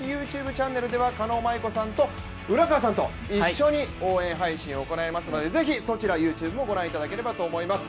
チャンネルでは狩野舞子さんと浦川さんと一緒に応援配信を行いますのでぜひそちら、ＹｏｕＴｕｂｅもご覧いただければと思います。